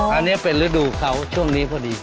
อันนี้เป็นฤดูเขาช่วงนี้พอดี